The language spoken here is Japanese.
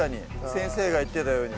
先生が言ってたように。